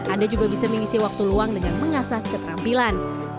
anda juga bisa mengisi waktu luang dengan mengasah keterampilan